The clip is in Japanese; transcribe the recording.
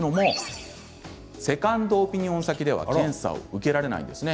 というのもセカンドオピニオン先では検査は受けられないんです。